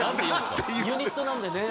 ユニットなんでね